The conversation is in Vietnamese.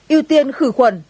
ưu tiên khử khuẩn